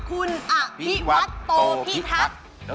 คุณอภิวัตโตพิทักษ์